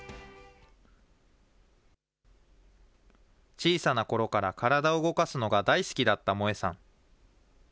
小さなころから体を動かすのが大好きだった萌恵さん。